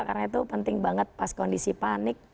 karena itu penting banget pas kondisi panik